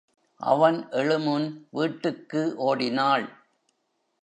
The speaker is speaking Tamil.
அவன் எழுமுன் வீட்டுக்கு ஓடினாள்.